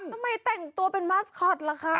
ทำไมแต่งตัวเป็นมาสคอตล่ะคะ